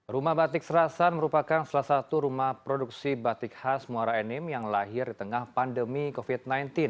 rumah batik serasan merupakan salah satu rumah produksi batik khas muara enim yang lahir di tengah pandemi covid sembilan belas